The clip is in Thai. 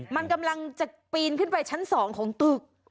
มันกำลังจะปีนขึ้นไปชั้น๒ของตึก